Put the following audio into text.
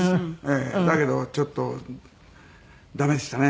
だけどちょっと駄目でしたね。